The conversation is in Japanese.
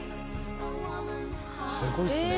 すごいですね。